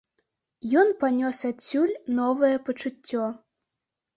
Ён панёс адсюль новае пачуццё.